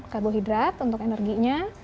karbohidrat untuk energinya